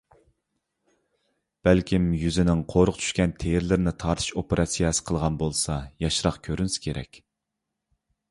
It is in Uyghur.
بەلكىم يۈزىنىڭ قورۇق چۈشكەن تېرىلىرىنى تارتىش ئوپېراتسىيەسى قىلغان بولسا ياشراق كۆرۈنسە كېرەك.